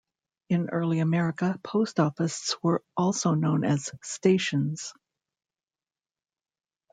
In early America, post offices were also known as "stations".